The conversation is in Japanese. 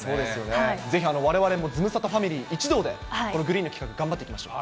ぜひわれわれもズムサタファミリー一同で、このグリーンの企画、頑張っていきましょう。